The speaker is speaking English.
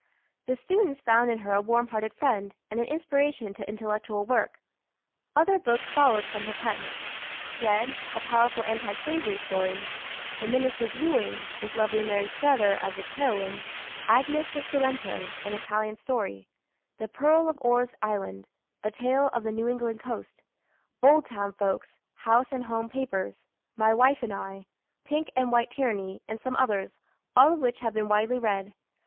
The students found in her a warm hearted friend, and an inspiration to intellectual work. Other books followed from her pen: Dred, a powerful anti slavery story; The Minister's Wooing, with lovely Mary Scudder as its heroine; Agnes of Sorrento, an Italian story; the Pearl of Orr's Island, a tale of the New England coast; Old Town Folks; House and Home Papers; My Wife and I; Pink and White Tyranny; and some others, all of which have been widely read.